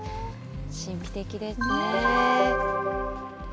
神秘的ですね。